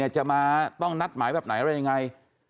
จะมาต้องนัดหมายแบบไหนอะไรยังไง